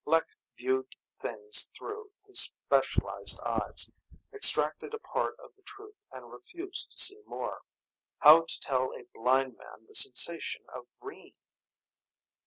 Lek viewed things through his specialized eyes, extracted a part of the truth and refused to see more. How to tell a blind man the sensation of green?